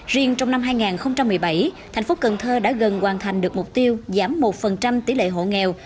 riêng trong năm hai nghìn một mươi bảy thành phố cần thơ đã gần hoàn thành được mục tiêu giảm một tỷ lệ hộ nghèo